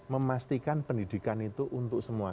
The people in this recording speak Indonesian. memastikan pendidikan itu untuk semua